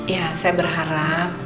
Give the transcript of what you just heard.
ya saya berharap